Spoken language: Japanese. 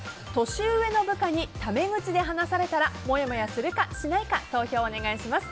年上部下にタメ口で話されたらもやもやするか、しないか投票をお願いします。